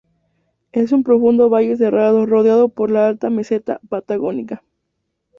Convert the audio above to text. Es un profundo valle cerrado, rodeado por la alta meseta patagónica.